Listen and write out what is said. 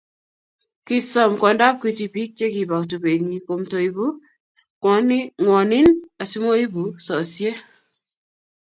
kisoom kwondab Gwiji biik chekiba tubenyin komtoibu ng'wonin asimoibu sosye